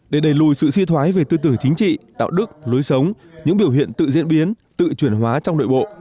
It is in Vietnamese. để đẩy lùi sự suy thoái về tư tưởng chính trị đạo đức lối sống những biểu hiện tự diễn biến tự chuyển hóa trong nội bộ